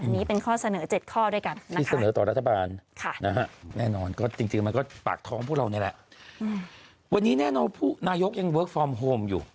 และนอกผู้นายกยังเวิร์คฟอร์มโฮมอยู่